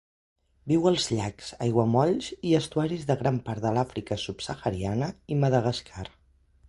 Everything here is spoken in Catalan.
Viu als llacs, aiguamolls i estuaris de gran part de l'Àfrica subsahariana i Madagascar.